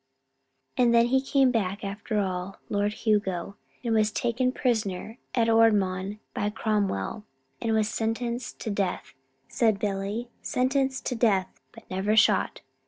"And he came back, after all, Lord Hugo, and was taken prisoner at Ormond by Cromwell, and sentenced to death!" said Billy. "Sentenced to death! but never shot!